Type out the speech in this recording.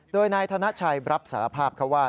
โดยนายธนชัยรับสารภาพเขาว่า